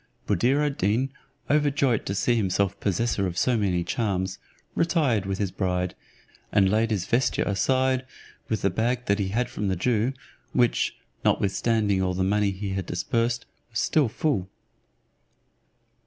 Buddir ad Deen, overjoyed to see himself possessor of so many charms, retired with his bride, and laid his vesture aside, with the bag that he had from the Jew; which, notwithstanding all the money he had dispersed, was still full.